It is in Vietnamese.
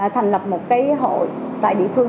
thành lập một cái hội tại địa phương